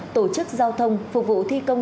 tổ chức giao thông phục vụ thi công